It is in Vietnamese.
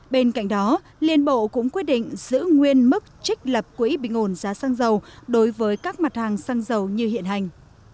bên cạnh đó liên bộ cũng quyết định giữ nguyên mức trích lập quỹ bình ổn giá xăng dầu đối với các mặt hàng xăng dầu như hiện hành